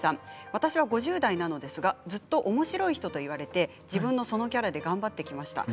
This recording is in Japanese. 私は５０代なのですがずっとおもしろい人と言われて自分のそのキャラで頑張ってきました。